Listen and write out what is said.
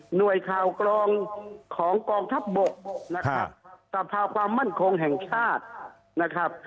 ข่าวกรองของกองทัพบกนะครับสภาความมั่นคงแห่งชาตินะครับ